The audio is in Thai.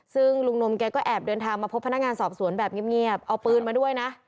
ซึ่งลุงนมแกก็แอบเดินทางมาพบพนักงานสอบสวนแบบเงียบเอาปืนมาด้วยนะ